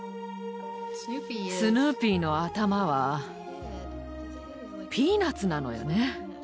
スヌーピーの頭はピーナツなのよね。